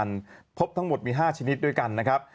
แล้วก็อันดามันพบทั้งหมดมี๕ชนิดด้วยกันนะครับ